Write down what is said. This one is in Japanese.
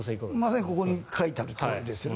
まさにここに書いてあるとおりですね。